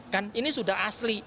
kan ini sudah asli